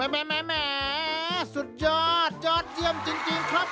แม่สุดยอดยอดเยี่ยมจริงครับ